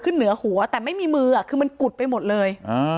เหนือหัวแต่ไม่มีมือคือมันกุดไปหมดเลย